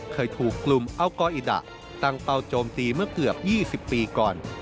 เคยถูกกลุ่มอัลกออิดะตั้งเป้าโจมตีเมื่อเกือบ๒๐ปีก่อน